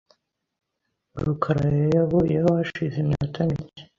rukara yavuyeho hashize iminota mike .